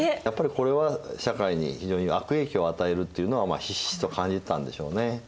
やっぱりこれは社会に非常に悪影響を与えるっていうのはひしひしと感じてたんでしょうね。